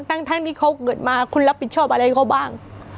ทั้งที่เขาเกิดมาคุณรับผิดชอบอะไรเขาบ้าง